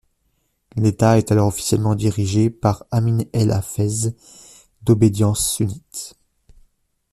L'État est alors officiellement dirigé par Amin al-Hafez, d'obédience sunnite.